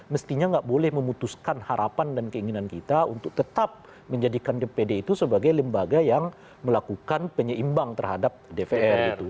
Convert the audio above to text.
mestinya nggak boleh memutuskan harapan dan keinginan kita untuk tetap menjadikan dpd itu sebagai lembaga yang melakukan penyeimbang terhadap dpr gitu